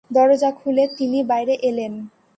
দরজা খুলে তিনি বাইরে এলেন।